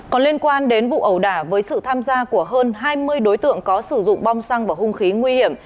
còn liên quan đến vụ ẩu đả với sự tham gia của hơn hai mươi đối tượng có sử dụng bom xăng và hung khí nguy hiểm